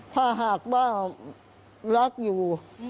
ถ้าหากว่ารักอยู่